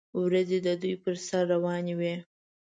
وریځې د دوی پر سر روانې وې.